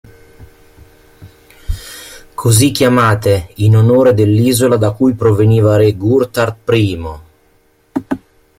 Così chiamate in onore dell'isola da cui proveniva re Ghurtar I.